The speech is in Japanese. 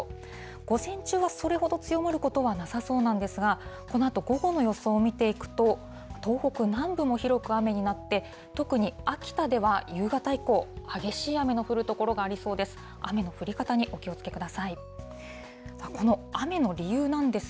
午前中はそれほど強まることはなさそうなんですが、このあと午後の予想を見ていくと、東北南部も広く雨になって、特に秋田では夕方以降、激しい雨の降る所がありそうです。